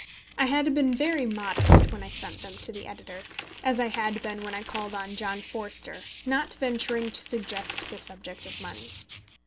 I had been very modest when I sent them to the editor, as I had been when I called on John Forster, not venturing to suggest the subject of money.